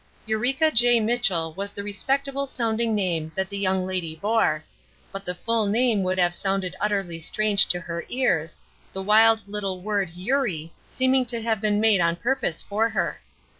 Eureka J. Mitchell was the respectable sounding name that the young lady bore, but the full name would have sounded utterly strange to her ears, the wild little word "Eurie" seeming to have been made on purpose for her.